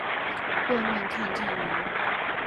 问问看站员